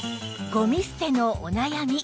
ゴミ捨てのお悩み